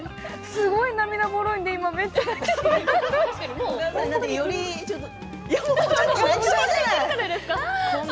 すごい涙もろいんで今泣きそう。